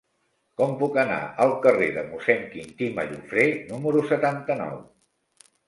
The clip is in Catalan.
Com puc anar al carrer de Mossèn Quintí Mallofrè número setanta-nou?